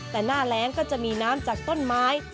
แต่หน้าแรงก็จะมีน้ำจากต้นไม้